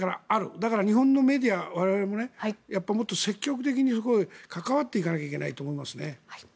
だから日本のメディア、我々もねもっと積極的に関わっていかないといけないと思いますね。